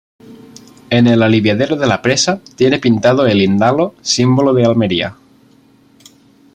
En el aliviadero de la presa tiene pintado el indalo, símbolo de Almería.